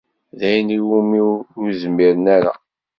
D ayen iwumi ur zmiren ara.